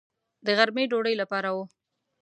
د غرمې ډوډۍ لپاره و.